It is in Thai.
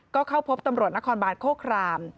ก็เข้าพบตำรวจนครบานโคคราม